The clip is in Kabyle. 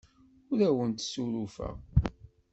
Ur awent-ssurufeɣ.